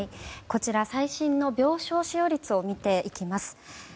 こちら、最新の病床使用率を見ていきます。